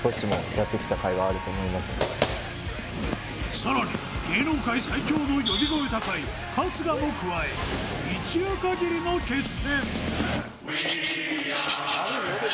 更に芸能界最強の呼び声高い春日も加え一夜限りの決戦。